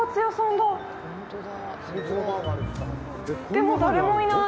でも、誰もいない。